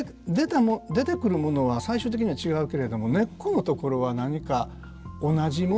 出てくるものは最終的には違うけれども根っこのところは何か同じものがある。